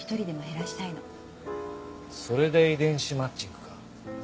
それで遺伝子マッチングか。